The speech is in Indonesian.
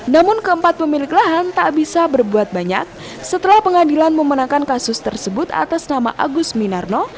namun keempat pemilik lahan tak bisa berbuat banyak setelah pengadilan memenangkan kasus tersebut atas nama agus minarno